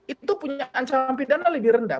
itu punya ancaman pidana lebih rendah